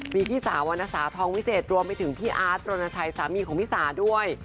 มีพี่สาววรรณสาทองวิเศษรวมไปถึงพี่อาร์ดรณชัยสามีของพี่สาด้วย